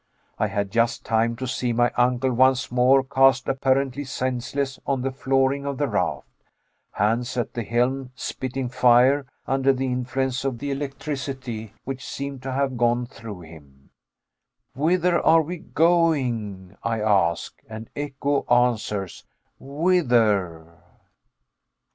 I had just time to see my uncle once more cast apparently senseless on the flooring of the raft, Hans at the helm, "spitting fire" under the influence of the electricity which seemed to have gone through him. Whither are we going, I ask? and echo answers, Whither?